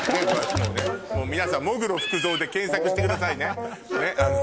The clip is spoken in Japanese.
皆さん「喪黒福造」で検索してくださいね。